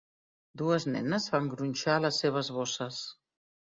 Dues nenes fan gronxar les seves bosses.